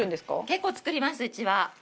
結構作りますうちは。